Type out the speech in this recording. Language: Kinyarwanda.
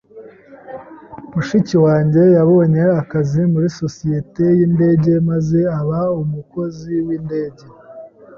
Mushiki wanjye yabonye akazi muri sosiyete yindege maze aba umukozi windege.